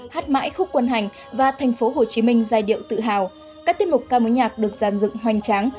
hát mãi khúc quân hành và tp hcm giai điệu tự hào các tiết mục ca mối nhạc được giàn dựng hoành tráng